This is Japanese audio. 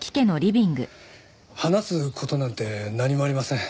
話す事なんて何もありません。